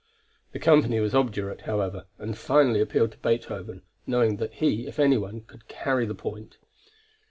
The company was obdurate, however, and finally appealed to Beethoven, knowing that he, if any one, could carry the point.